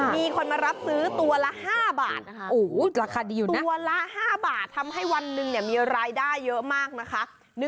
มีคนมารับซื้อตัวละ๕บาทนะคะตัวละ๕บาททำให้วันหนึ่งมีรายได้เยอะมากนะคะ